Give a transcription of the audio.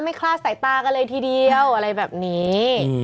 คลาดสายตากันเลยทีเดียวอะไรแบบนี้